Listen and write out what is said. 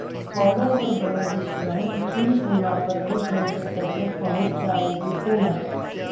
border पर बनेंगी सुरंग, चीन सीमा पर एक घंटे पहले पहुंच जाएगी सेना